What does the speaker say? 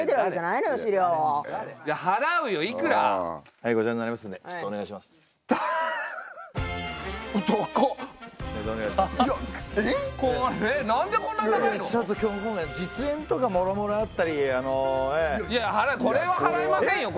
いやいやこれは払えませんよ。